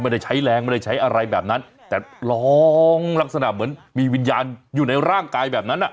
ใช้แรงไม่ได้ใช้อะไรแบบนั้นแต่ร้องลักษณะเหมือนมีวิญญาณอยู่ในร่างกายแบบนั้นอ่ะ